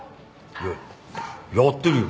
いややってるよ